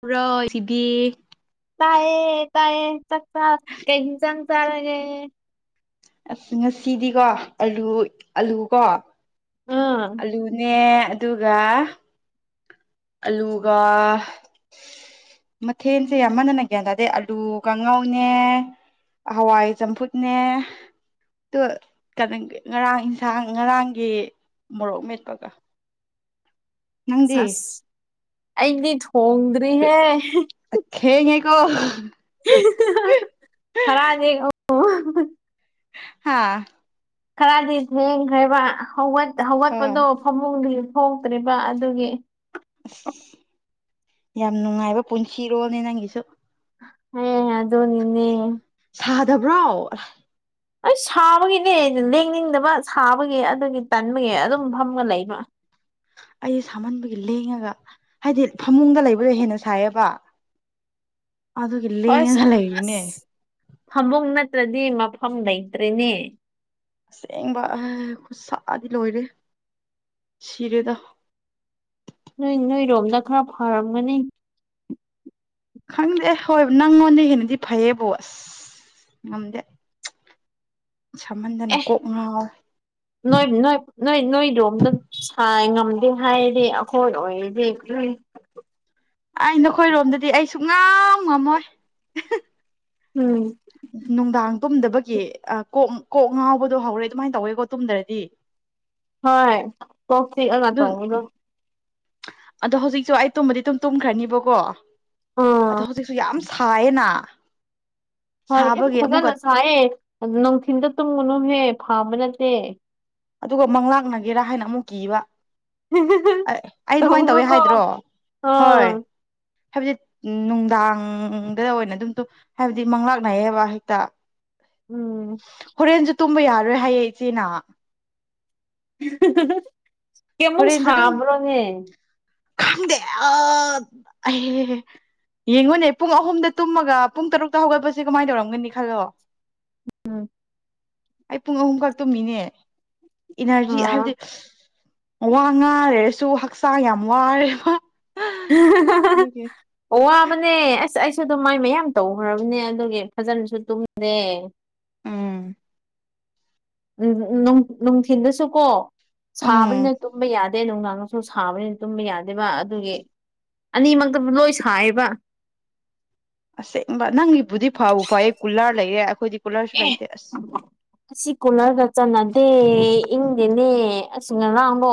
ꯄꯨꯔꯣꯏ ꯁꯤꯗꯤ ꯇꯥꯏꯌꯦ ꯇꯥꯏꯌꯦ ꯆꯥꯛ ꯆꯥ ꯀꯩ ꯍꯤꯟꯖꯥꯡ ꯆꯥꯔꯒꯦ ꯑꯁ ꯉꯁꯤꯗꯤꯀꯣ ꯑꯂꯨ ꯑꯂꯨꯀꯣ ꯑꯥ ꯑꯂꯨ ꯅꯦ ꯑꯗꯨꯒ ꯑꯂꯨꯒ ꯃꯊꯦꯟꯁꯦ ꯌꯥꯝꯃꯟꯗꯅ ꯒ꯭ꯌ꯭ꯟ ꯇꯥꯗꯦ ꯑꯂꯨ ꯀꯥꯡꯉꯧꯅꯦ ꯍꯋꯥꯏ ꯆꯝꯐꯨꯠꯅꯦ ꯇꯨ ꯉꯔꯥꯡ ꯏꯟꯁꯥꯡ ꯉꯔꯥꯡꯒꯤ ꯃꯣꯔꯣꯛ ꯃꯦꯠꯄꯒ ꯅꯪꯗꯤ ꯁꯦꯁ ꯑꯩꯗꯤ ꯍꯣꯡꯗ꯭ꯔꯤꯍꯦ ꯑꯊꯦꯡꯉꯦꯀꯣ [unintelligible] ꯍꯥꯥ ꯈꯥꯔꯗꯤ ꯊꯦꯡꯈ꯭ꯔꯦꯕ ꯍꯧꯒꯠ ꯍꯣꯏ ꯍꯧꯒꯠꯄꯗꯣ ꯐꯃꯨꯡꯗꯑꯤ ꯊꯣꯛꯇ꯭ꯔꯤꯕ ꯑꯗꯨꯒꯤ ꯑꯁ.. ꯌꯥꯝ ꯅꯨꯡꯉꯥꯏꯕ ꯄꯨꯟꯁꯤꯔꯣꯜꯅꯦ ꯅꯪꯒꯤꯁꯨ ꯍꯦ ꯑꯗꯨꯅꯤꯅꯦ ꯁꯥꯗꯕ꯭ꯔꯣ ꯑꯩ ꯁꯥꯕꯒꯤꯅꯦ ꯂꯦꯡꯅꯤꯡꯗꯕ ꯁꯥꯕꯒꯤ ꯑꯗꯨꯒꯤ ꯇꯟꯕꯒꯤ ꯑꯗꯨꯝ ꯐꯝꯃꯒ ꯂꯩꯕ ꯑꯩ ꯁꯥꯃꯟꯕꯒꯤ ꯂꯦꯡꯉꯒ ꯍꯥꯏꯗꯤ ꯐꯃꯨꯡꯗ ꯂꯩꯕꯗꯣ ꯍꯦꯟꯅ ꯁꯥꯏꯌꯦꯕ ꯑꯗꯨꯒꯤ ꯍꯣꯏꯁ ꯂꯦꯡꯉꯒ ꯂꯩꯔꯤꯅꯦ ꯑꯁ ꯐꯃꯨꯡ ꯅꯠꯇ꯭ꯔꯗꯤ ꯃꯐꯝ ꯂꯩꯇ꯭ꯔꯦꯅꯦ ꯑꯁꯦꯡꯕ ꯑꯦ ꯈꯨꯁꯥꯗꯤ ꯂꯣꯏꯔꯦ ꯁꯤꯔꯦꯗ ꯅꯣꯏ ꯅꯣꯏꯔꯣꯝꯗ ꯈꯔ ꯐꯔꯝꯒꯅꯤ ꯈꯪꯗꯦ ꯍꯣꯏ ꯅꯪꯉꯣꯟꯗꯩ ꯍꯦꯟꯅꯗꯤ ꯐꯩꯌꯦꯕꯨ ꯑꯁ ꯉꯝꯗꯦ ꯁꯥꯃꯟꯗꯅ ꯀꯣꯛ ꯉꯥꯎꯋꯦ ꯅꯣꯏ ꯅꯣꯏ ꯅꯣꯏ ꯅꯣꯏ ꯔꯣꯝꯗ ꯁꯥꯏ ꯉꯝꯗꯦ ꯍꯥꯏꯔꯗꯤ ꯑꯩꯈꯣꯏ ꯑꯣꯏꯔꯗꯤ ꯑꯥꯢ ꯅꯈꯣꯏꯔꯣꯝꯗꯗꯤ ꯑꯩ ꯁꯨꯛ ꯉꯝ ꯉꯝꯃꯣꯏ ꯎꯝ ꯅꯨꯡꯗꯥꯡ ꯇꯨꯝꯗꯕꯒꯤ ꯑ ꯀꯣꯛ ꯀꯣꯛ ꯉꯥꯎꯕꯗꯣ ꯍꯧꯔꯦ ꯑꯗꯨꯃꯥꯏ ꯇꯧꯋꯦꯀꯣ ꯇꯨꯝꯗ꯭ꯔꯗꯤ ꯍꯣꯏ ꯀꯣꯛ ꯆꯤꯛꯑꯒ ꯑꯗꯨ ꯇꯧꯕꯗꯣ ꯑꯗꯣ ꯍꯧꯖꯤꯛꯁꯨ ꯑꯩ ꯇꯨꯝꯕꯗꯤ ꯑꯗꯨꯨꯝ ꯇꯨꯝꯈ꯭ꯔꯅꯤꯕꯀꯣ ꯑꯗꯣ ꯑꯥ ꯍꯧꯖꯤꯛꯁꯨ ꯌꯥꯝ ꯁꯥꯢꯌꯦꯅ ꯍꯣꯏ ꯑꯦ ꯐꯖꯅ ꯁꯥꯏꯌꯦ ꯅꯨꯡꯊꯤꯟꯗ ꯇꯨꯝꯒꯨꯅꯨꯍꯦ ꯐꯥꯕ ꯅꯠꯇꯦ ꯑꯗꯨꯒ ꯃꯪꯂꯥꯛꯅꯒꯦꯔꯥ ꯍꯥꯏꯅ ꯑꯃꯨꯛ ꯀꯤꯕ ꯑꯩ ꯑꯗꯨꯃꯥꯏ ꯇꯧꯋꯦ ꯇꯧꯅꯨꯀꯣ ꯍꯥꯏꯗ꯭ꯔꯣ ꯍꯣꯏ ꯑꯥ ꯍꯧꯖꯤꯛ ꯅꯨꯡꯗꯥꯡꯗ ꯑꯣꯏꯅ ꯑꯗꯨꯝ ꯇꯨ ꯍꯥꯏꯕꯗꯤ ꯃꯪꯂꯥꯛꯅꯩꯌꯦꯕ ꯍꯦꯛꯇ ꯎꯝ ꯍꯣꯔꯦꯟꯁꯨ ꯇꯨꯝꯕ ꯌꯥꯔꯣꯏ ꯍꯥꯏꯌꯦ ꯏꯆꯦꯅ ꯀꯩꯌꯥꯃꯨꯛ ꯍꯣꯔꯦꯟꯁꯨ ꯑꯗꯨꯝ ꯁꯥꯕ꯭ꯔꯣꯅꯦ ꯈꯪꯗꯦ ꯑ ꯑꯩ ꯌꯦꯡꯉꯨꯅꯦ ꯄꯨꯡ ꯑꯍꯨꯝꯗ ꯇꯨꯝꯃꯒ ꯄꯨꯡ ꯇꯔꯨꯛꯇ ꯍꯧꯒꯠꯄꯁꯦ ꯀꯃꯥꯏ ꯇꯧꯔꯝꯒꯅꯤ ꯈꯜꯂꯣ ꯑꯩ ꯄꯨꯡ ꯑꯍꯨꯝꯈꯛ ꯇꯨꯝꯃꯤꯅꯦ ꯏꯅꯔꯖꯤ ꯑꯥ ꯍꯥꯏꯕꯗꯤ ꯋꯥꯉꯥ ꯂꯩꯔꯁꯨ ꯍꯛꯆꯥꯡ ꯌꯥꯝ ꯋꯥꯔꯦꯕ ꯑꯗꯨꯒꯤ ꯋꯥꯕꯅꯦ ꯑꯁ ꯑꯩꯁꯨ ꯑꯗꯨꯝ ꯃꯥꯏ ꯃꯌꯥꯝ ꯇꯧꯒ꯭ꯔꯕꯅꯦ ꯑꯗꯨꯒꯤ ꯐꯖꯟꯅꯁꯨ ꯇꯨꯝꯗꯦ ꯎꯝ ꯅꯨꯡ ꯅꯨꯡ ꯅꯨꯡꯊꯤꯟꯗꯁꯨ ꯀꯣ ꯎꯝ ꯁꯥꯕꯅꯤꯅ ꯇꯨꯝꯕ ꯌꯥ ꯑꯗꯩ ꯅꯨꯡꯗꯥꯡꯁꯨ ꯁꯥꯕꯅꯤꯅ ꯇꯨꯝꯕ ꯌꯥꯗꯦꯕ ꯑꯗꯨꯒꯤ ꯑꯅꯤꯃꯛꯇꯁꯨ ꯂꯣꯏ ꯁꯥꯏꯌꯦꯕ ꯑꯁꯦꯡꯕ ꯅꯪꯒꯤꯕꯨꯗꯤ ꯐꯕ ꯐꯥꯏꯌꯦ ꯀꯨꯜꯂꯥꯔ ꯂꯩꯌꯦ ꯑꯩꯈꯣꯏꯗꯤ ꯀꯨꯂꯔꯁꯨ ꯑꯦ ꯂꯩꯇꯦ ꯑꯁ ꯁꯤ ꯀꯨꯂꯔꯒ ꯆꯥꯟꯅꯗꯦ ꯏꯪꯗꯤ ꯅꯦ ꯑꯁ ꯉꯔꯥꯡꯗꯣ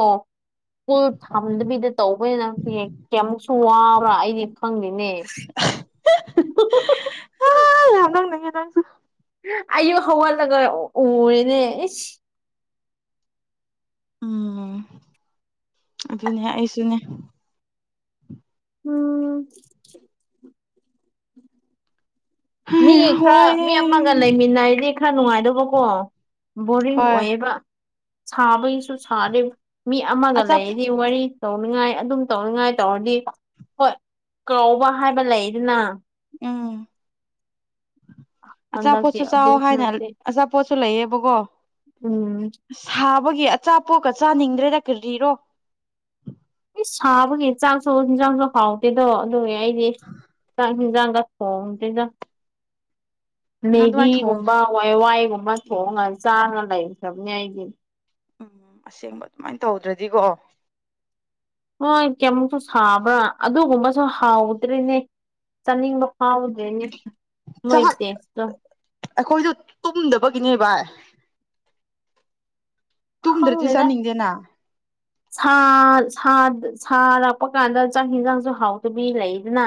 ꯁ꯭ꯀꯨꯜ ꯊꯝꯗꯕꯤꯗ ꯇꯧꯕꯅꯤꯅ ꯍꯦꯦ ꯀꯌꯥꯃꯨꯛꯁꯨ ꯋꯥꯕ꯭ꯔꯥ ꯑꯩꯗꯤ ꯈꯪꯗꯦꯅꯦ ꯌꯥꯝ ꯅꯣꯛꯅꯤꯡꯉꯦ ꯅꯪꯁꯨ ꯑꯌꯨꯛ ꯍꯧꯒꯠꯂꯒ ꯎꯔꯤꯅꯦ ꯎꯝ ꯑꯗꯨꯅꯦ ꯑꯩꯁꯨꯅꯦ ꯎꯝ ꯃꯤ ꯍꯩ ꯈꯔ ꯃꯤ ꯋꯥꯏꯌꯦ ꯑꯃꯒ ꯂꯩꯃꯤꯟꯅꯔꯗꯤ ꯈꯔ ꯅꯨꯡꯉꯥꯏꯗꯧꯕꯀꯣ ꯕꯣꯔꯤꯡ ꯍꯣꯏ ꯑꯣꯏꯌꯦꯕ ꯁꯥꯕꯒꯤꯁꯨ ꯁꯥꯔꯦ ꯃꯤ ꯑꯃꯒ ꯑꯆꯥꯞ ꯂꯩꯔꯗꯤ ꯋꯥꯔꯤ ꯇꯧꯅꯤꯉꯥꯏ ꯑꯗꯨꯝ ꯇꯧꯅꯤꯡꯉꯥꯏ ꯇꯧꯔꯗꯤ ꯍꯣꯏ ꯀꯥꯎꯕ ꯍꯥꯏꯕ ꯂꯩꯗꯅ ꯎꯝ ꯍꯟꯗꯛꯇꯤ ꯑꯆꯥꯄꯣꯠꯁꯨ ꯆꯥꯎ ꯑꯗꯨꯁꯨ ꯍꯥꯏꯅ ꯅꯠꯇꯦ ꯑꯆꯥꯄꯣꯠꯁꯨ ꯂꯩꯌꯦꯕꯀꯣ ꯎꯝ ꯁꯥꯕꯒꯤ ꯑꯆꯥꯄꯣꯠꯀ ꯆꯥꯅꯤꯡꯗ꯭ꯔꯦꯗ ꯀꯔꯤꯔꯣ ꯢꯁ ꯁꯥꯕꯒꯤ ꯆꯥꯛꯁꯨ ꯌꯦꯟꯖꯥꯡꯁꯨ ꯍꯥꯎꯗꯦꯗꯣ ꯑꯗꯨꯒꯤ ꯑꯩꯗꯤ ꯆꯥꯛ ꯔꯦꯟꯁꯥꯡꯒ ꯊꯣꯡꯗꯦꯗ [unintelligible] ꯊꯣꯡ ꯃꯦꯒꯤꯒꯨꯝꯕ ꯋꯥꯢꯋꯥꯏꯒꯨꯝꯕ ꯊꯣꯡꯉꯒ ꯆꯥꯔ ꯂꯩꯈ꯭ꯔꯕꯅꯦ ꯑꯩꯗꯤ ꯎꯝ ꯑꯁꯦꯡꯕ ꯑꯗꯨꯃꯥꯏꯅ ꯇꯧꯗ꯭ꯔꯗꯤꯀꯣ ꯍꯣꯏ ꯀꯩꯃꯨꯛꯁꯨ ꯁꯥꯕ꯭ꯔꯥ ꯑꯗꯨꯒꯨꯝꯕꯁꯨ ꯍꯥꯎꯗ꯭ꯔꯤꯅꯦ ꯆꯥꯅꯤꯡꯕ ꯐꯥꯎꯗꯦꯅꯦ ꯃꯣꯏꯁꯦ ꯑꯩꯈꯣꯏꯁꯨ ꯇꯨꯝꯗꯕꯒꯤꯅꯦ ꯚꯥꯏ ꯇꯨꯝꯗ꯭ꯔꯗꯤ ꯈꯪꯗꯦꯗ ꯆꯥꯅꯤꯡꯗꯦꯅ ꯁꯥ ꯁꯥꯔꯛꯄ ꯀꯥꯟꯗ ꯆꯥꯛ ꯌꯦꯟꯁꯥꯡꯁꯨ ꯍꯥꯎꯇꯕꯤ ꯂꯩꯗꯅ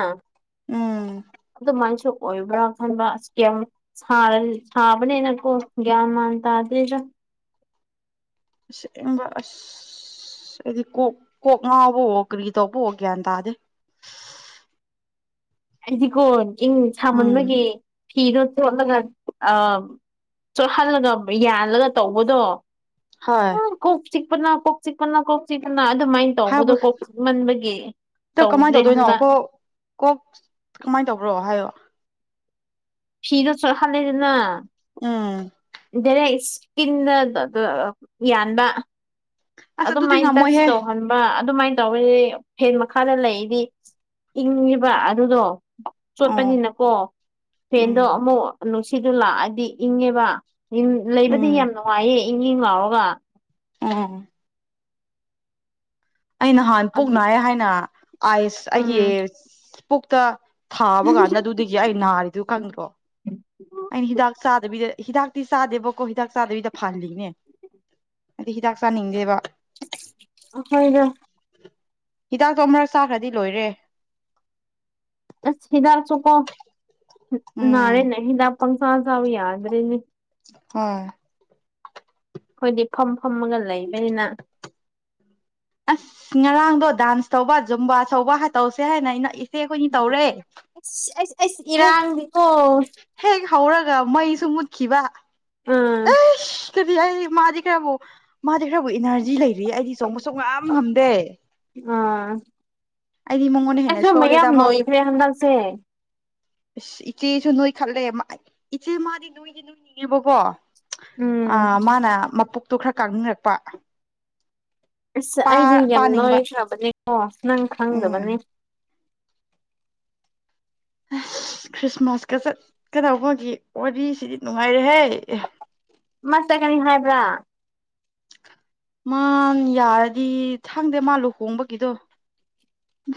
ꯎꯝ ꯑꯗꯨꯃꯥꯢꯁꯨ ꯑꯣꯏꯕ꯭ꯔꯥ ꯈꯟꯕ ꯑꯁ ꯁꯥꯕꯅꯤꯅꯀꯣ ꯒ꯭ꯌꯥꯟ ꯃꯦꯟ ꯇꯥꯗꯦꯗ ꯑꯁꯦꯡꯕ ꯑꯁ ꯑꯩꯗꯤ ꯀꯣꯛ ꯀꯣꯛ ꯉꯥꯎꯕꯥꯎꯑꯣ ꯀꯔꯤ ꯇꯧꯕꯑꯣ ꯒ꯭ꯌꯥꯟ ꯇꯥꯗꯦ ꯑꯩꯗꯤꯀꯣ ꯏꯪ ꯎꯝ ꯁꯥꯃꯟꯕꯒꯤ ꯐꯤꯗꯣ ꯆꯣꯠꯂꯒ ꯑ ꯆꯣꯠꯍꯜꯂꯒ ꯌꯥꯜꯂꯒ ꯇꯧꯕꯗꯣ ꯍꯣꯏ ꯀꯣꯛ ꯆꯤꯛꯄꯅꯥ ꯀꯣꯛ ꯆꯤꯛꯄꯅꯥ ꯀꯣꯛ ꯆꯤꯛꯄꯅꯥ ꯑꯗꯨꯃꯥꯢꯅ ꯇꯧꯕꯗꯣ ꯍꯥꯏꯕ ꯀꯣꯛꯆꯤꯛꯃꯟꯕꯒꯤ ꯇꯣ ꯀꯃꯥꯏꯅ ꯇꯧꯗ꯭ꯔꯦ ꯇꯧꯗꯣꯏꯅꯣ ꯍꯟꯗꯥꯛ ꯀꯣꯛ ꯀꯣꯛ ꯀꯃꯥꯏꯅ ꯇꯧꯕ꯭ꯔꯣ ꯍꯥꯏꯌꯣ ꯐꯤꯗꯣ ꯆꯣꯠꯍꯥꯜꯂꯦꯗꯅ ꯎꯝ ꯗꯥꯢꯔꯦꯛ ꯀꯤꯟꯅ ꯌꯥꯟꯕ ꯑꯁ ꯑꯗꯨꯗꯤ ꯑꯗꯨꯃꯥꯏꯅ ꯇꯥꯖ ꯉꯝꯃꯣꯏꯍꯦ ꯇꯧꯍꯟꯕ ꯑꯗꯨꯃꯥꯏꯅ ꯇꯧꯋꯦ ꯐꯦꯟ ꯃꯈꯥꯗ ꯂꯩꯔꯗꯤ ꯏꯪꯉꯦꯕ ꯑꯗꯨꯗꯣ ꯑꯣ ꯆꯣꯠꯄꯅꯤꯅꯀꯣ ꯐꯦꯟꯗꯣ ꯎꯝ ꯑꯃꯨꯛ ꯅꯨꯡꯁꯤꯠ ꯂꯥꯛꯑꯗꯤ ꯏꯪꯉꯦꯕ ꯎꯝ ꯂꯩꯕꯗꯤ ꯌꯥꯝ ꯅꯨꯡꯉꯥꯏꯌꯦ ꯏꯪ ꯏꯪ ꯂꯥꯎꯔꯒ ꯎꯝ ꯑꯩ ꯅꯍꯥꯟ ꯄꯨꯛ ꯅꯥꯢꯌꯦ ꯍꯥꯏꯅ ꯑꯥꯢꯁ ꯑꯩꯒꯤ ꯎꯝ ꯄꯨꯛꯇ ꯊꯥꯕ ꯀꯥꯟꯗ ꯑꯗꯨꯗꯒꯤ ꯑꯩ ꯅꯥꯔꯤꯗꯨ ꯈꯪꯗ꯭ꯔꯣ ꯑꯩꯅ ꯍꯤꯗꯥꯛ ꯆꯥꯗꯕꯤꯗ ꯍꯤꯗꯥꯛꯇꯤ ꯆꯥꯗꯦꯕꯀꯣ ꯍꯤꯗꯥꯛ ꯆꯥꯗꯕꯤꯗ ꯐꯍꯜꯂꯤꯅꯦ ꯍꯥꯏꯗꯤ ꯍꯤꯗꯥꯛ ꯆꯥꯅꯤꯡꯗꯦꯕ ꯍꯣꯏꯗ ꯍꯤꯗꯥꯛꯇꯣ ꯑꯃꯛꯔꯛ ꯆꯥꯈ꯭ꯔꯗꯤ ꯂꯣꯏꯔꯦ ꯑꯠꯁ ꯍꯤꯗꯥꯛꯁꯨ ꯀꯥꯞ ꯎꯝ ꯅꯔ‌ꯦꯅ‌ꯦ ꯍꯤꯗꯥꯛ ꯄꯪꯆꯥ ꯆꯥꯕ ꯌꯗꯔ‌ꯦꯅ‌ꯦ ꯍꫭꯏ ꯑꯩꯈꯣꯏꯗꯤ ꯐꯝ ꯐꯝꯃꯒ ꯂꯩꯕꯅꯤꯅ ꯑꯁ ꯉꯔꯥꯡꯗꯣ ꯗꯥꯟꯁ ꯇꯧꯕ ꯖꯨꯝꯕꯥ ꯆꫭꯡꯕ ꯇꯧꯁꯦ ꯍꯥꯏꯅ ꯑꯩꯅ ꯁꯦ ꯑꯩꯈꯣꯏꯅꯤ ꯇꯧꯔꯦ ꯑꯁ ꯑꯩꯁ ꯑꯩꯁ ꯍ‌ꯦ ꯏꯔꯥꯡꯗꯤꯀꯣ ꯍꯦꯛ ꯍꯧꯔꯒ ꯃꯩꯁꯨ ꯃꯨꯠꯈꯤꯕ ꯎꯝ ꯁꯤꯗꯗꯤ ꯑꯩ ꯃꯥꯗꯤ ꯈꯔꯕꯨ ꯃꯥꯗꯤ ꯈꯔꯕꯨ ꯏꯅꯔꯖꯤ ꯂꯩꯔꯤ ꯑꯩꯗꯤ ꯆꯣꯡꯕ ꯁꯨꯡꯉꯝ ꯉꯝꯗ‌‌ꯦ ꯑꯥ ꯑꯩꯗꯤ ꯃꯉꯣꯟꯗ ꯍꯦꯟꯅ ꯁꯣꯜꯂꯦꯗ ꯃꯥ ꯅꯣꯏꯈ꯭ꯔꯦ ꯍꯟꯗꯛꯁꯦ ꯑ ꯏꯆꯦꯁꯨ ꯅꯣꯏ ꯈꯠꯂꯦ ꯏꯆꯦ ꯃꯥꯗꯤ ꯅꯣꯏꯗꯤ ꯅꯣꯏꯅꯤꯡꯉꯦꯕꯀꯣ ꯑ ꯎꯝ ꯃꯥꯅ ꯃꯄꯣꯛꯇꯣ ꯈꯔ ꯀꯥꯅꯤꯡꯔꯛꯄ ꯑꯁ ꯑꯩꯗꯤ ꯌꯥꯝ ꯂꯣꯏꯈ꯭ꯔꯕꯅꯦꯀꯣ ꯅꯪ ꯎꯝ ꯈꯪꯗꯕꯅꯦ ꯑꯁ ꯈ꯭ꯔꯤꯁꯃꯥꯁꯀ ꯆꯠꯀꯗꯧꯕꯒꯤ ꯋꯥꯔꯤꯁꯤꯗꯤ ꯅꯨꯡꯉꯥꯏꯔꯦꯍꯦ ꯑꯦ ꯃꯥ ꯆꯠꯀꯅꯤ ꯍꯥꯏꯕ꯭ꯔꯥ ꯃꯥ ꯌꯥꯔꯗꯤ ꯈꯪꯗꯦ ꯃꯥ ꯂꯨꯍꯣꯡꯕꯒꯤꯗꯣ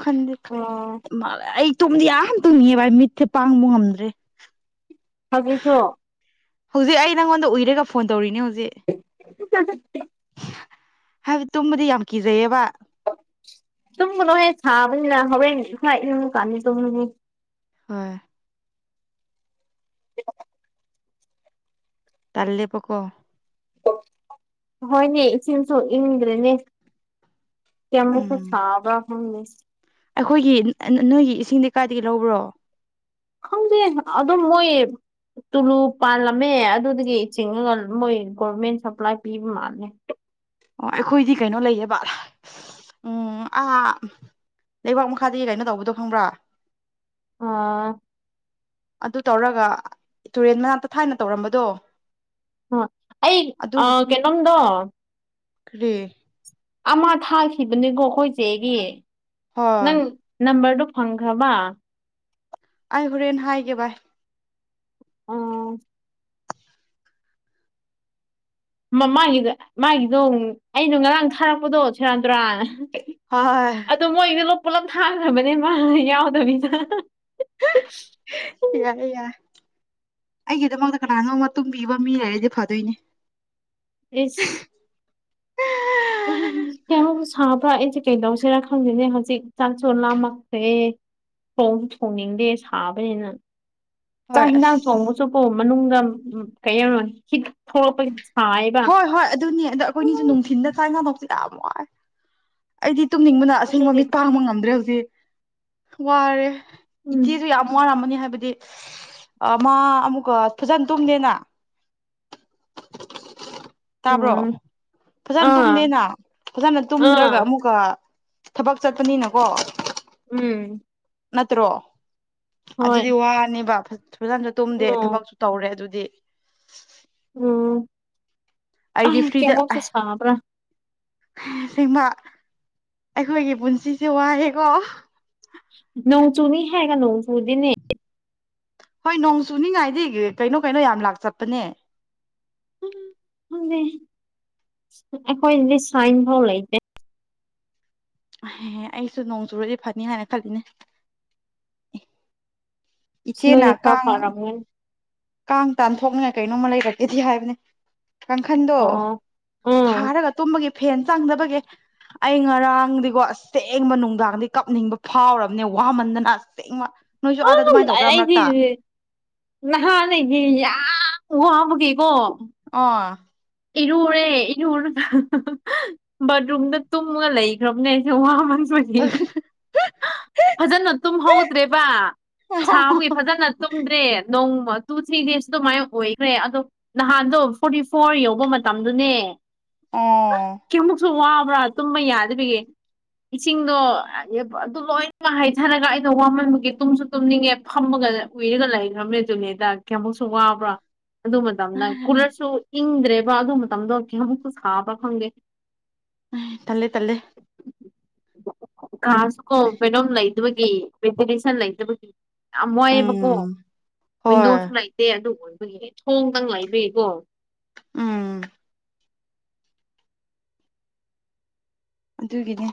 ꯈꯟꯗ [unintelligible] ꯑꯣ ꯑꯩ ꯇꯨꯝꯗꯤ ꯌꯥꯝ ꯇꯨꯝꯅꯤꯡꯉꯦꯕ ꯑꯩ ꯃꯤꯠꯁꯦ ꯄꯥꯡꯕ ꯉꯝꯗ꯭ꯔꯦ ꯍꯧꯖꯤꯛꯁꯨ ꯍꯧꯖꯤꯛ ꯑꯩ ꯅꯪꯉꯣꯟꯗ ꯎꯨꯏꯔꯒ ꯐꯣꯟ ꯇꯧꯔꯤꯅꯦ ꯍꯧꯖꯤꯛ [unintelligible] ꯍꯥꯏꯕꯗꯤ ꯇꯨꯝꯕꯗꯤ ꯌꯥꯝ ꯀꯤꯖꯩꯌꯦꯕ ꯇꯨꯝꯒꯅꯨꯍꯦ ꯁꯥꯕꯅꯤꯅ ꯍꯣꯔꯦꯟ ꯈꯔ ꯏꯪꯉꯥ ꯀꯥꯟꯗ ꯇꯨꯝ [unintelligible] ꯍꯣꯏ [unintelligible] ꯇꯜꯂ‌ꯦꯕꯀꫭ ꯍꯣꯏꯅꯦ ꯏꯁꯤꯡꯁꯨ ꯏꯪꯗ꯭ꯔꯦꯅꯦ ꯀꯌꯥꯃꯨꯛ ꯎꯝ [unintelligible] ꯁꯥꯕꯔꯥ ꯈꯪꯗ‌ꯦ ꯑꯩꯈꯣꯏꯒꯤ ꯅꯣꯏꯒꯤ ꯏꯁꯤꯡꯗꯤ ꯀꯥꯏꯗꯒꯤ ꯂꯧꯕ꯭ꯔꯣ ꯈꯪꯗꯦ ꯑꯗꯨꯝ ꯃꯣꯏ ꯇꯨꯂꯨ ꯄꯥꯜꯂꯝꯃꯦ ꯑꯗꯨꯗꯒꯤ ꯆꯤꯡꯉꯒ ꯃꯣꯏ ꯒꯣꯔꯃꯦꯟ ꯁꯄ꯭ꯂꯥꯏ ꯄꯤꯕ ꯃꯥꯜꯂꯦ ꯑꯣ ꯑꯩꯈꯣꯏꯗꯤ ꯀꯩꯅꯣ ꯂꯩꯌꯦꯕ ꯎꯝ ꯑꯥ ꯂꯩꯕꯥꯛ ꯃꯈꯥꯗꯒꯤ ꯀꯩꯅꯣ ꯇꯧꯕꯗꯣ ꯈꯪꯕ꯭ꯔꯥ ꯑꯥ ꯑꯗꯨ ꯇꯧꯔꯒ ꯇꯨꯔꯦꯟ ꯃꯅꯥꯛꯇ ꯊꯥꯏꯅ ꯇꯧꯔꯝꯕꯗꯣ ꯍꯥ ꯑꯗꯨ ꯑꯩ ꯀꯩꯅꯣꯝꯗꯣ ꯀꯔꯤ ꯑꯃ ꯊꯥꯈꯤꯕꯅꯤꯀꯣ ꯑꯩꯈꯣꯏꯆꯦꯒꯤ ꯅꯪ ꯍꯣꯏ ꯅꯝꯕꯔꯗꯨꯣ ꯐꯪꯈ꯭ꯔꯕ ꯑꯩ ꯍꯣꯔꯦꯟ ꯍꯥꯏꯒꯦ ꯚꯥꯏ ꯑꯥ ꯃꯥꯒꯤꯗ ꯃꯥꯒꯤꯗꯣ ꯑꯩꯅ ꯉꯔꯥꯡ ꯊꯥꯔꯛꯄꯗꯣ ꯁꯦꯔꯥꯟ ꯇꯨꯔꯥꯟꯅ ꯍꫭꯏ ꯑꯗ ꯃꯣꯏꯅ ꯂ ꯄꯨꯂꯞ ꯊꯥꯡꯈ꯭ꯔꯕꯅꯦ ꯃꯥ ꯌꯥꯎꯗꯕꯤꯗ ꯌꯥꯏ ꯌꯥꯏ ꯑꯩꯒꯤꯗꯃꯛꯇ ꯀꯅꯥꯅꯣ ꯃꯇꯨꯡ ꯄꯤꯕ ꯃꯤ ꯂꯩꯔꯗꯤ ꯐꯗꯣꯏꯅꯤ ꯏꯁ ꯑꯦ ꯀꯩꯅꯣ ꯁꯥꯕ꯭ꯔꯥ ꯑꯩꯁꯦ ꯀꯩꯗꯧꯁꯤꯔꯥ ꯈꯪꯗꯦꯅꯦ ꯍꯧꯖꯤꯛ ꯆꯥꯛꯁꯨ ꯂꯥꯝꯃꯛꯇꯦ ꯊꯣꯡꯁꯨ ꯊꯣꯡꯅꯤꯡꯗꯦ ꯁꯥꯕꯅꯤꯅ ꯆꯥꯛ ꯍꯣꯏ ꯑꯁ ꯍꯤꯟꯁꯥꯡ ꯊꯣꯡꯕ ꯑꯕꯨ ꯃꯅꯨꯡꯗ ꯀꯩꯒꯤꯅꯣ [unintelligible] ꯊꯣꯛꯂꯛꯄꯒꯤ ꯁꯥꯏꯕ ꯍꯣꯏ ꯍꯣꯏ ꯑꯗꯨꯅꯤ ꯑꯗꯣ ꯑꯩꯈꯣꯏꯅꯤꯁꯨ ꯅꯨꯡꯊꯤꯟꯗ ꯆꯥꯏ ꯉꯗꯁꯨ ꯌꯥꯝ ꯋꯥꯏ ꯑꯩꯗꯤ ꯇꯨꯝꯅꯤꯡꯕꯅ ꯑꯁꯦꯡꯕ ꯑꯗꯨꯒꯤ ꯃꯤꯠ ꯄꯥꯡꯕ ꯉꯝꯗ꯭ꯔꯦ ꯍꯧꯖꯤꯛ ꯋꯥꯔꯦ ꯎꯝ ꯏꯆꯦꯁꯨ ꯌꯥꯝ ꯋꯥꯔꯝꯃꯅꯤ ꯍꯥꯏꯕꯗꯤ ꯃꯥ ꯑꯃꯨꯛꯀ ꯐꯖꯅ ꯇꯨꯝꯗꯦꯅ ꯇꯥꯕ꯭ꯔꯣ ꯎꯝ ꯐꯖꯅ ꯑꯥ ꯇꯨꯝꯗꯦꯅ ꯐꯖꯅ ꯇꯨꯝꯗ꯭ꯔꯒ ꯑꯥ ꯑꯃꯨꯛꯀ ꯊꯕꯛ ꯆꯠꯄꯅꯤꯅꯀꯣ ꯎꯝ ꯅꯠꯇ꯭ꯔꯣ ꯍꯣꯏ ꯑꯗꯨꯗꯤ ꯋꯥꯅꯦꯕ ꯐꯖꯅꯁꯨ ꯇꯨꯝꯗꯦ ꯎꯝ ꯊꯕꯛꯁꯨ ꯇꯧꯔꯦ ꯑꯗꯨꯗꯤ ꯎꯝ ꯑꯩꯗꯤ ꯑꯩ ꯀꯩꯃꯨꯛꯁꯨ ꯁꯥꯕ꯭ꯔꯥ ꯏꯃꯥ ꯑꯩꯈꯣꯏꯒꯤ ꯄꯨꯟꯁꯤꯁꯦ ꯋꯥꯏꯑꯦꯀꯣ ꯅꯣꯡ ꯆꯨꯅꯤ ꯍꯥꯏꯒ ꯅꯣꯡ ꯆꯨꯗꯅꯦ ꯍꯣꯏ ꯅꯣꯡ ꯆꯨꯅꯤꯡꯉꯥꯏꯗꯤ ꯀꯩꯅꯣ ꯀꯩꯅꯣ ꯌꯥꯝ ꯂꯥꯛꯈꯔꯄꯥꯅꯦ ꯈꯪꯗꯦ ꯑꯩꯈꯣꯏꯗꯤ ꯁꯥꯏꯟ ꯐꯥꯎ ꯂꯩꯇꯦ ꯑꯩꯁꯨ ꯅꯣꯡ ꯆꯨꯔꯗꯤ ꯐꯅꯤ ꯍꯥꯏꯅ ꯈꯟꯕꯅꯦ ꯏꯆꯦꯅ ꯅꯣꯏꯗꯤ ꯈꯥ ꯀꯥꯡ ꯐꯥꯔꯝꯅꯤ ꯀꯥꯡ ꯇꯥꯟꯊꯣꯛꯅꯤꯡꯉꯥꯏ ꯀꯩꯅꯣꯝꯃ ꯂꯩꯔꯒꯗꯤ ꯍꯥꯏꯕꯅꯦ ꯀꯥꯡꯈꯟꯗꯣ ꯑꯣ ꯎꯝ ꯊꯥꯔꯒ ꯇꯨꯝꯕꯒꯤ ꯐꯦꯟ ꯆꯪꯗꯕꯒꯤ ꯑꯩ ꯉꯔꯥꯡꯗꯤꯀꯣ ꯑꯁꯦꯡꯕ ꯅꯨꯡꯗꯥꯡꯗꯤ ꯀꯞꯅꯤꯡꯕ ꯐꯥꯎꯔꯕꯅꯦ ꯋꯥꯃꯟꯗꯅ ꯑꯁꯦꯡꯕ ꯅꯣꯏꯁꯨ ꯑꯥꯗꯥ ꯎꯝ ꯑꯩꯗꯤ ꯅꯥꯍꯟꯅꯦ ꯌꯥꯝ ꯋꯥꯕꯒꯤꯀꯣ ꯑꯣ ꯏꯔꯨꯔꯦ ꯏꯔꯨꯔꯒ ꯕꯥꯠꯔꯨꯝꯗ ꯇꯨꯝꯒ ꯂꯩꯈ꯭ꯔꯕꯅꯦ ꯑꯩꯁꯦ ꯋꯥꯃꯟꯕꯒꯤ ꯐꯖꯅ ꯇꯨꯝꯍꯧꯇꯗ꯭ꯔꯦꯕ ꯁꯥꯕꯒꯤ ꯐꯖꯅ ꯇꯨꯝꯗ꯭ꯔꯦ ꯅꯣꯡꯃ ꯇꯨ ꯊ꯭ꯔꯤ ꯗꯦꯖ ꯑꯗꯨꯃꯥꯏꯅ ꯑꯣꯏꯈ꯭ꯔꯦ ꯑꯗꯣ ꯅꯍꯥꯟꯗꯣ ꯐꯣꯔꯇꯤ ꯐꯣꯔ ꯌꯧ ꯃꯇꯝꯗꯨꯅꯦ ꯑꯣ ꯀꯌꯥꯃꯨꯛꯁꯨ ꯋꯥꯕ꯭ꯔꯥ ꯇꯨꯝꯕ ꯌꯥꯗꯕꯒꯤ ꯏꯁꯤꯡꯗꯣ ꯑꯗꯨ ꯂꯣꯏꯅꯃꯛ ꯍꯩꯊꯔꯒ ꯑꯩꯅ ꯋꯥꯃꯟꯕꯒꯤ ꯇꯨꯝꯁꯨ ꯇꯨꯝꯅꯤꯡꯉꯦ ꯐꯝꯃꯒ ꯎꯏꯔꯒ ꯂꯩꯈ꯭ꯔꯕꯅꯦ ꯖꯨꯝꯃꯦꯗ ꯀꯌꯥꯃꯨꯛꯁꯨ ꯋꯥꯕ꯭ꯔꯥ ꯑꯗꯨ ꯃꯇꯝꯗ ꯀꯨꯔꯁꯨ ꯏꯪꯗ꯭ꯔꯦꯕ ꯑꯗꯨ ꯃꯇꯝꯗꯣ ꯀꯌꯥꯃꯨꯁꯨ ꯁꯥꯕ ꯈꯪꯗꯦ ꯎꯝ ꯇꯜꯂꯦ ꯇꯜꯂꯦ ꯀꯥꯁꯨ ꯀꯣ ꯀꯩꯅꯣꯝ ꯂꯩꯇꯕꯒꯤ ꯕꯦꯟꯇꯤꯂꯦꯁꯟ ꯂꯩꯇꯕꯒꯤ ꯌꯥꯝ ꯋꯥꯏꯑꯦꯕꯀꯣ ꯎꯝ ꯋꯤꯟꯗꯣꯁꯨ ꯍꯣꯏ ꯂꯩꯇꯦ ꯑꯗꯨ ꯑꯣꯏꯕꯒꯤ ꯊꯣꯡꯗꯪ ꯂꯩꯕꯒꯤꯀꯣ ꯎꯝ ꯑꯗꯨꯒꯤꯅꯦ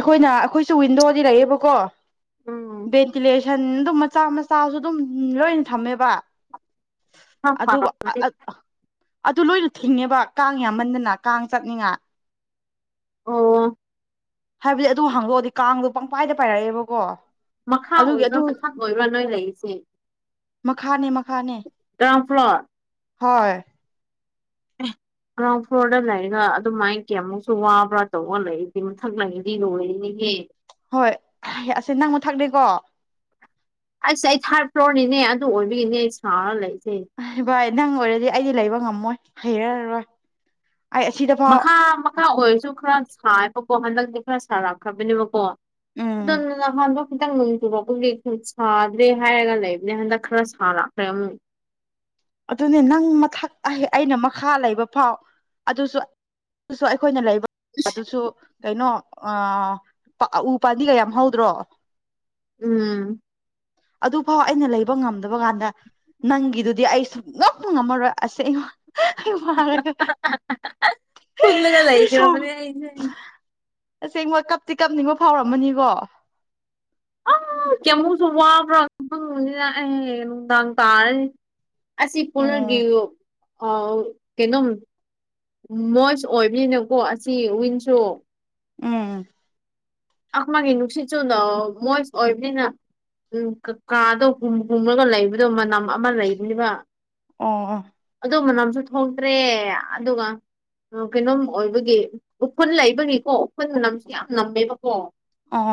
ꯑꯩꯈꯣꯏꯅ ꯑꯈꯣꯏꯁꯨ ꯋꯤꯟꯗꯣꯗꯤ ꯂꯩꯌꯦꯕꯀꯣ ꯎꯝ ꯚꯦꯟꯇꯤꯂꯦꯁꯟ ꯑꯗꯨꯝ ꯃꯆꯥ ꯃꯆꯥꯁꯨ ꯑꯗꯨꯝ ꯂꯣꯏꯅ ꯊꯝꯃꯦꯕ ꯑꯗꯨꯕꯨ ꯑꯣ ꯑꯥ ꯑꯗꯨ ꯂꯣꯏꯅ ꯊꯤꯡꯉꯦꯕ ꯀꯥꯡ ꯌꯥꯝꯃꯟꯗꯅ ꯀꯥꯡ ꯆꯠꯅꯤꯡꯉꯥ ꯑꯣ ꯍꯥꯏꯕꯗꯤ ꯑꯗꯨ ꯍꯥꯡꯗꯣꯛꯑꯗꯤ ꯀꯥꯡꯗꯣ ꯄꯪꯄꯥꯏꯗ ꯄꯥꯏꯔꯛꯑꯦꯕꯀꯣ ꯃꯈꯥ ꯑꯗꯨꯒꯤ ꯑꯣꯏꯕ꯭ꯔꯥ ꯑꯗꯨ ꯃꯊꯛ ꯑꯣꯏꯕ꯭ꯔꯥ ꯅꯣꯏ ꯂꯩꯔꯤꯕꯁꯤ ꯃꯈꯥꯅꯦ ꯃꯈꯥꯅꯦ ꯭ꯒ꯭ꯔꯥꯎꯟ ꯐ꯭ꯂꯣꯔ ꯍꯣꯏ [unintelligible] ꯒ꯭ꯔꯥꯎꯟ ꯐ꯭ꯂꯣꯔꯗ ꯂꯩꯔꯒ ꯑꯗꯨꯃꯥꯏꯅ ꯀꯌꯥꯃꯨꯛꯁꯨ ꯋꯥꯕ꯭ꯔꯥ ꯇꯧꯔ ꯂꯩꯔꯤꯗꯤ ꯃꯊꯛ ꯂꯩꯔꯗꯤ ꯂꯣꯏꯔꯦꯅꯦꯍꯦ ꯍꯣꯏ ꯑꯁꯤ ꯅꯪ ꯃꯊꯛꯅꯤꯀꯣ ꯑꯁ ꯑꯩ ꯊꯥꯔꯠ ꯐ꯭ꯂꯣꯔꯅꯤꯅꯦ ꯑꯗꯨ ꯑꯣꯏꯕꯒꯤꯅꯦ ꯑꯩ ꯁꯥꯔꯒ ꯂꯩꯁꯦ ꯚꯥꯏ ꯅꯪ ꯑꯣꯏꯔꯗꯤ ꯑꯩꯗꯤ ꯂꯩꯕ ꯉꯝꯃꯣꯏ ꯍꯩꯔꯔꯣꯏ ꯑꯩ ꯑꯁꯤꯗ ꯐꯥꯎ ꯃꯈꯥ ꯃꯈꯥ ꯑꯣꯏꯔꯁꯨ ꯈꯔ ꯁꯥꯏꯕꯀꯣ ꯍꯟꯗꯛꯇꯤ ꯈꯔ ꯁꯥꯔꯛꯈ꯭ꯔꯕꯅꯦꯕꯀꯣ ꯎꯝ ꯑꯗꯨꯅ ꯅꯍꯥꯟꯗꯣ ꯈꯤꯇꯪ ꯅꯣꯡ ꯆꯨꯨꯔꯛꯄꯒꯤ ꯁꯥꯗ꯭ꯔꯦ ꯍꯥꯏꯔꯒ ꯂꯩꯕꯅꯦ ꯍꯟꯗꯛ ꯈꯔ ꯁꯥꯔꯛ ꯈ꯭ꯔꯦ ꯑꯃꯨꯛ ꯑꯗꯨꯅꯦ ꯅꯪ ꯃꯊꯛ ꯑꯩꯅ ꯃꯈꯥ ꯂꯩꯕ ꯐꯥꯎ ꯑꯗꯨꯁꯨ ꯑꯗꯨ ꯑꯩꯈꯣꯏꯅ ꯂꯩꯕ ꯑꯗꯨꯁꯨ ꯀꯩꯅꯣ ꯑ ꯄ ꯎ ꯄꯥꯝꯕꯤꯒ ꯌꯥꯝ ꯍꯧꯗ꯭ꯔꯣ ꯎꯝ ꯑꯗꯨꯐꯥꯎ ꯑꯩꯅ ꯂꯩꯕ ꯉꯝꯗꯕꯀꯥꯟꯗ ꯅꯪꯒꯤꯗꯨꯗꯤ ꯑꯩ ꯁꯨ ꯉꯝ ꯉꯝꯃꯔꯣꯏ ꯑꯁꯦꯡꯕ ꯑꯩ ꯋꯥꯔꯒ ꯐꯨꯜꯂꯒ ꯑꯩ ꯁꯣꯔ ꯂꯩꯈ꯭ꯔꯕꯅꯦ ꯑꯩꯁꯦ ꯑꯁꯦꯡꯕ ꯀꯞꯇꯤ ꯀꯞꯅꯤꯡꯕ ꯐꯥꯎꯔꯝꯃꯅꯤꯀꯣ ꯑ ꯀꯦꯃꯨꯁꯨ ꯋꯥꯕ꯭ꯔꯥ ꯈꯪꯅꯤꯅ ꯑꯩ ꯅꯨꯡꯗꯥꯡ ꯇꯥꯔꯅꯤ ꯑꯁꯤ ꯎꯝ ꯀꯨꯂꯔꯒꯤꯌꯣ ꯀꯩꯅꯣꯝ ꯃꯣꯏꯁ ꯑꯣꯏꯕꯅꯤꯅꯀꯣ ꯑꯁꯤ ꯋꯤꯟꯁꯨ ꯎꯝ ꯎꯝ ꯑꯃꯒꯤ ꯅꯨꯡꯁꯤꯠꯁꯨꯅ ꯃꯣꯏꯁ ꯑꯣꯏꯕꯅꯤꯅ ꯎꯝ ꯀꯀꯥꯗꯣ ꯍꯨꯝ ꯍꯨꯝꯂꯒ ꯂꯩꯕꯗꯣ ꯃꯅꯝ ꯑꯃ ꯂꯩꯕꯅꯦꯕ ꯑꯣ ꯑꯣ ꯑꯗꯨ ꯃꯅꯝꯁꯨ ꯊꯣꯛꯇ꯭ꯔꯦ ꯑꯗꯨꯒ ꯀꯩꯅꯣꯝ ꯑꯣꯏꯕꯒꯤ ꯎꯐꯨꯜ ꯂꯩꯕꯒꯤꯀꯣ ꯎꯐꯨꯜ ꯃꯅꯝꯁꯨ ꯌꯥꯝ ꯅꯝꯃꯦꯕꯀꯣ ꯑꯣ